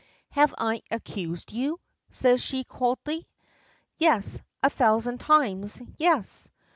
"Have I accused you?" says she, coldly. "Yes, a thousand times, yes.